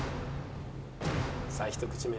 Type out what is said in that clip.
さあ１口目。